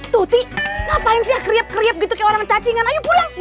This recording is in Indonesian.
tuti ngapain sih krip krip gitu kayak orang cacingan ayo pulang